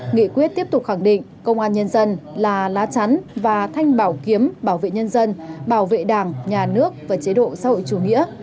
nghị quyết tiếp tục khẳng định công an nhân dân là lá chắn và thanh bảo kiếm bảo vệ nhân dân bảo vệ đảng nhà nước và chế độ xã hội chủ nghĩa